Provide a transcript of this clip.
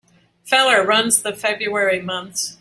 Feller runs the February months.